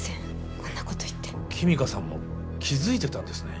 こんなこと言って君香さんも気づいてたんですね